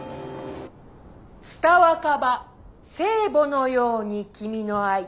「蔦若葉聖母のように君の愛」。